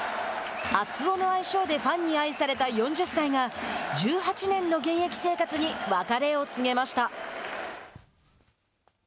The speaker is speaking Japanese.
熱男の愛称でファンに愛された４０歳が１８年の現役生活に別れを告げました。